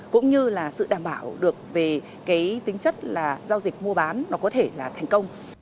cũng như là sự đảm bảo được về cái tính chất là giao dịch mua bán nó có thể là thành công